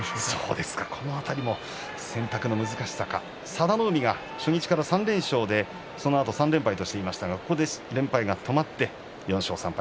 かなり迷いが佐田の海が初日から３連勝でそのあと３連敗としていましたがここで、連敗が止まって４勝３敗。